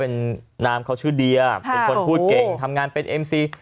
น้ำเขาชื่อเดียคนพูดเก่งทำงานเป็นเอ็มซี